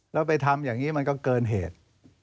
แล้วไปทำอย่างนี้มันก็เกินเหตุ